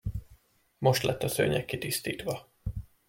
Most lett a szőnyeg kitisztítva!